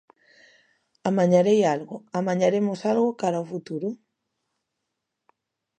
Amañarei algo, amañaremos algo cara ó futuro?